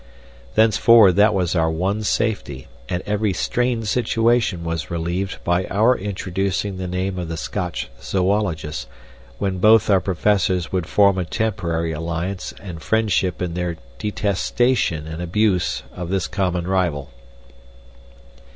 Thenceforward that was our one safety, and every strained situation was relieved by our introducing the name of the Scotch zoologist, when both our Professors would form a temporary alliance and friendship in their detestation and abuse of this common rival.